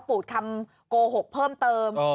ปูดคำโกหกเพิ่มเติม